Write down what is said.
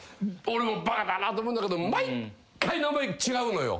俺もバカだなと思うんだけど毎回名前違うのよ。